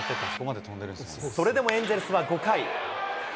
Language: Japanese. それでもエンゼルスは５回。